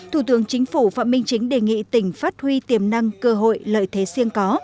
thủ tướng chính phủ phạm minh chính đề nghị tỉnh phát huy tiềm năng cơ hội lợi thế siêng có